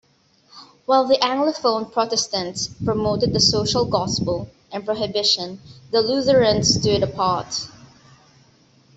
While the Anglophone Protestants promoted the Social Gospel and prohibition, the Lutherans stood apart.